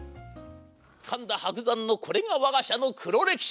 神田伯山のこれがわが社の黒歴史。